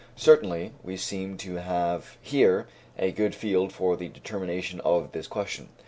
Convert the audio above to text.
Certainly we seem to have here a good field for the determination of this question.